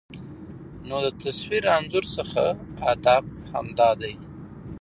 نو د تصوير انځور څخه هدف همدا دى